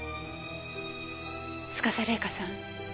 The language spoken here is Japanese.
司麗香さん。